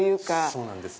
そうなんです。